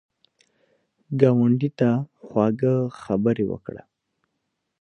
ګاونډي ته خواږه خبرې وکړه